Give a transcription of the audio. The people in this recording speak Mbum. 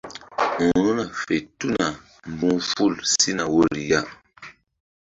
Ru̧hna fe tuna mbu̧h ful sina woyri ya.